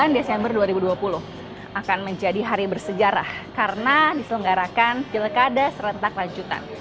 sembilan desember dua ribu dua puluh akan menjadi hari bersejarah karena diselenggarakan pilkada serentak lanjutan